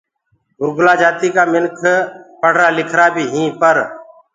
گُرگَلا جآتي ڪآ ڪجھ مِنک پڙهرآ لکرا بي هيٚنٚ پر